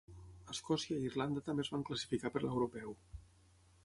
Escòcia i Irlanda també es van classificar per l'europeu.